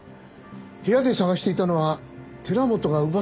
部屋で捜していたのは寺本が奪ったノイズだった。